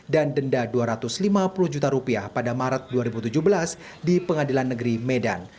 dan denda rp dua ratus lima puluh juta pada maret dua ribu tujuh belas di pengadilan negeri medan